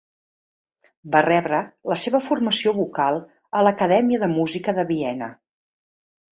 Va rebre la seva formació vocal a l'Acadèmia de Música de Viena.